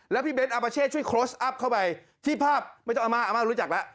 แล้วพี่เบนท์อาปาเช่ช่วยคณอสอัปเข้าไปที่ภาพไม่ต้องอาม่ารู้จักละ